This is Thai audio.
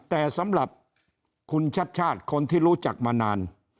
แต่สำหรับคุณชัดชาติคนที่รู้จักมานาน